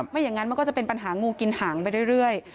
ไม่อย่างนั้นมันก็จะเป็นปัญหางูกินหางไปเรื่อย